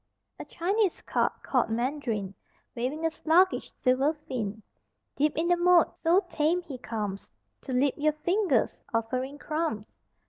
A Chinese carp (called Mandarin) Waving a sluggish silver fin Deep in the moat: so tame he comes To lip your fingers offering crumbs.